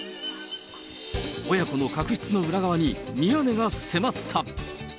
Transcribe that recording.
親子の確執の裏側に、宮根が迫った。